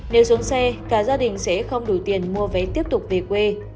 nếu xuống xe cả gia đình sẽ không đủ tiền mua vé tiếp tục về quê